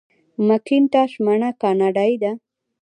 مکینټاش مڼه کاناډايي ده.